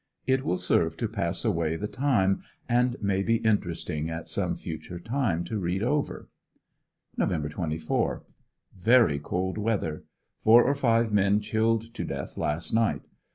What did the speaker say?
It will serve to pass away the time and may be interesting at some future time to read over Nov. 24. — Very cold weather. Four or five men chilled to death last night.